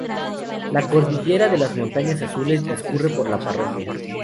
La cordillera de las montañas azules discurre por la parroquia.